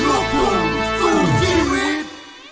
ลูกคุมสู่ชีวิต